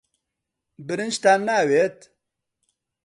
برنجتان ناوێت؟